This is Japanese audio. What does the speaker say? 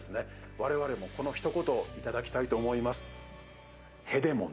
我々もこのひと言をいただきたいと思います。